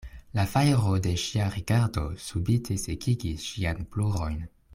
La fajro de ŝia rigardo subite sekigis ŝiajn plorojn.